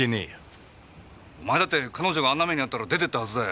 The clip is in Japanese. お前だって彼女があんな目に遭ったら出て行ったはずだよ！